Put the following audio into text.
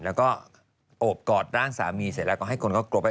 แล้วก็โอบกอดร่างสามีเสร็จแล้วก็ให้คนก็กลัวไป